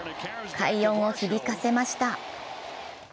快音を響かせました。